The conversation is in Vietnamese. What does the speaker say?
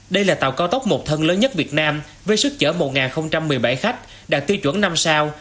đây là tàu cao tốc một thân lớn nhất việt nam với sức chở một một mươi bảy khách đạt tiêu chuẩn năm sao